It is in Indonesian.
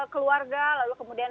keluarga lalu kemudian